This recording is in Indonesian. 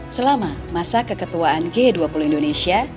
selama masa keketuaan g dua puluh indonesia